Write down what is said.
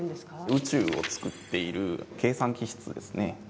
宇宙を作っている計算機室ですね。